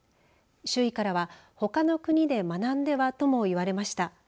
周囲からは、ほかの国で学んではとも言われました。